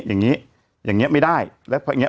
อย่างงี้อย่างงี้ไม่ได้